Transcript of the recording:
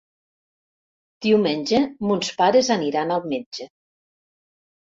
Diumenge mons pares aniran al metge.